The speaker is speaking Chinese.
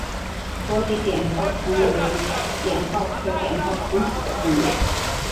佛理碘泡虫为碘泡科碘泡虫属的动物。